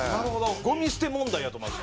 ゴミ捨て問題やと思います。